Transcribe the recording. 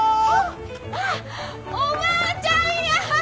あっおばあちゃんや！